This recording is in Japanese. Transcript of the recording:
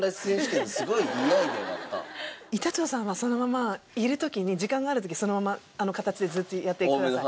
板長さんはそのままいる時に時間がある時そのままあの形でずっとやってください。